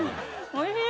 おいしい！